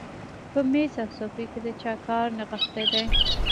په مېز او څوکۍ کې د چا کار نغښتی دی